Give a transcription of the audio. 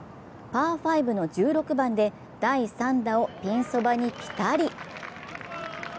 パー５の１６番で第３打をピンそばにぴたり。